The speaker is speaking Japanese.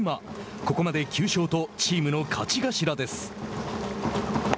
ここまで９勝とチームの勝ち頭です。